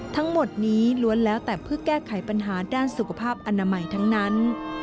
ทั้งหมดนี้ล้วนแล้วแต่เพื่อแก้ไขปัญหาด้านสุขภาพอนามัยทั้งนั้น